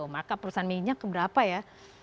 mark up perusahaan minyak ke berapa ya